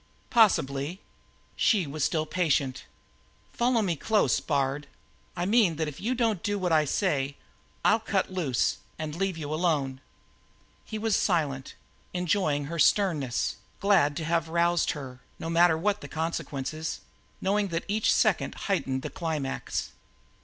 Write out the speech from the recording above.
"Possibly." She was still patient. "Follow me close, Bard. I mean that if you don't do what I say I'll cut loose and leave you alone here." He was silent, enjoying her sternness, glad to have roused her, no matter what the consequences; knowing that each second heightened the climax.